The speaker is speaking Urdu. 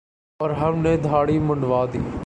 اور ہم نے دھاڑی منڈوادی ۔